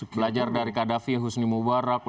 belajar dari kadafi husni mubarak